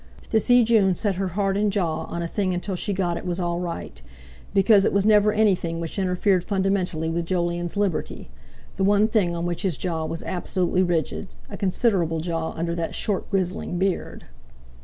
To see June set her heart and jaw on a thing until she got it was all right, because it was never anything which interfered fundamentally with Jolyon's liberty—the one thing on which his jaw was also absolutely rigid, a considerable jaw, under that short grizzling beard.